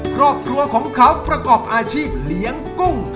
ครอบครัวของเขาประกอบอาชีพเลี้ยงกุ้ง